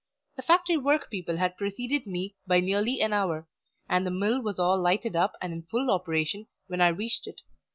The factory workpeople had preceded me by nearly an hour, and the mill was all lighted up and in full operation when I reached it.